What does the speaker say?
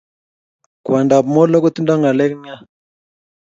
Kwandab molo kotindo ngalek nea